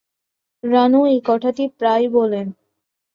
রানু এই কথাটি প্রায়ই বলে।